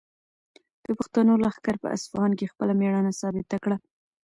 د پښتنو لښکر په اصفهان کې خپله مېړانه ثابته کړه.